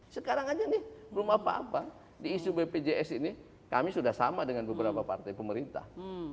sekarang aja nih belum apa apa di isu bpjs ini kami sudah sama dengan beberapa partai pemerintah